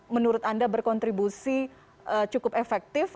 menurut anda berkontribusi cukup efektif